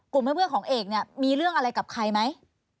กลุ่มเพื่อนของเอกเนี่ยมีเรื่องอะไรกับใครไหม